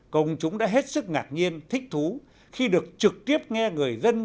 công chúng đã hết sức ngạc nhiên thích thú khi được trực tiếp nghe người dân